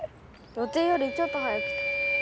予定よりちょっと早く来た。